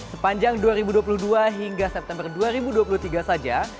sepanjang dua ribu dua puluh dua hingga september dua ribu dua puluh tiga saja